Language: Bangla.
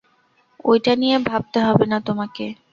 ঐটা নিয়ে ভাবতে হবে না তোমাকে।